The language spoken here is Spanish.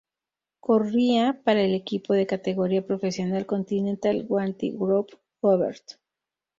Corría para el equipo de categoría profesional continental Wanty-Groupe Gobert.